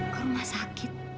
ke rumah sakit